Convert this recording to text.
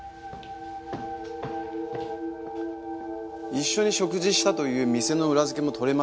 一緒に食事したという店の裏づけも取れました。